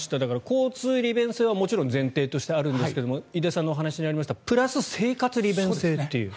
交通利便性はもちろん前提としてあるんですが井出さんの話にありましたプラス、生活利便性という。